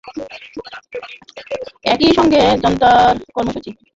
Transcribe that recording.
একই সঙ্গে জান্তার কর্মসূচির মধ্যে বিশেষ করে থাই রাজনীতিকে নিয়ন্ত্রণ করার ব্যাপারটিও রয়েছে।